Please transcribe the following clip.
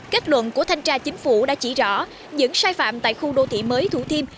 kết luận của thanh tra chính phủ đã chỉ rõ những sai phạm tại khu đô thị mới thủ thiêm